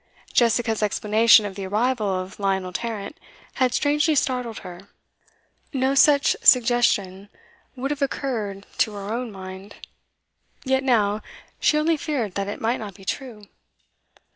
Jessica's explanation of the arrival of Lionel Tarrant had strangely startled her; no such suggestion would have occurred to her own mind. Yet now, she only feared that it might not be true.